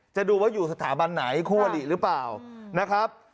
จะดูว่าอยู่สถาบันไหนคู่อลิหรือเปล่านะครับ